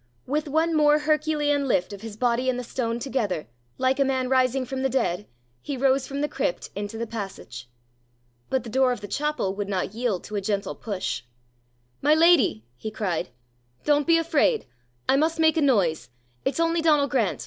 With one more Herculean lift of his body and the stone together, like a man rising from the dead, he rose from the crypt into the passage. But the door of the chapel would not yield to a gentle push. "My lady," he cried, "don't be afraid. I must make a noise. It's only Donal Grant!